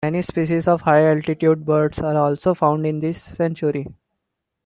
Many species of high altitude birds are also found in this sanctuary.